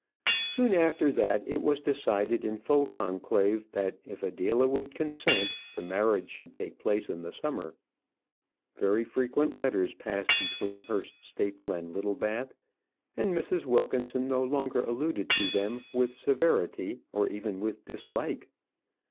Soon after that, it was decided in full conclave, that if Adela would consent, the marriage should take place in the summer. Very frequent letters passed between Hurst Staple and Littlebath, and Mrs. Wilkinson no longer alluded to them with severity, or even with dislike.